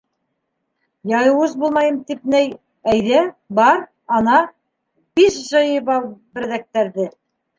- Яуыз булмайым тип ней, әйҙә, бар, ана, бис йыйып ал берәҙәктәрҙе!